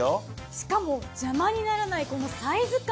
しかも邪魔にならないこのサイズ感。